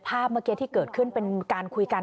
ภาพเมื่อกี้ที่เกิดขึ้นเป็นการคุยกัน